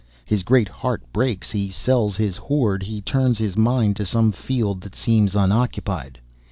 His great heart breaks, he sells his hoard, he turns his mind to some field that seems unoccupied.